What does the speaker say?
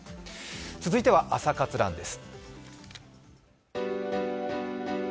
続いては「朝活ＲＵＮ」です。